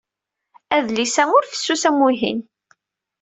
Adlis-a ur fessus am wihin.